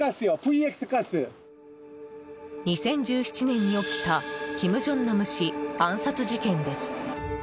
２０１７年に起きた金正男氏暗殺事件です。